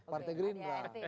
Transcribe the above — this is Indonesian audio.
prt partai geridra